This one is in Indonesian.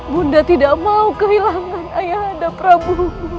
bunda tidak mau kehilangan ayah anda prabu